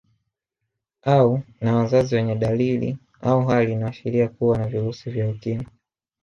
Au na wazazi wenye dalili au hali inayoashiria kuwa na virusi vya Ukimwi